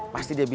pasti dia bisa